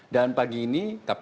dan pagi ini kpud dki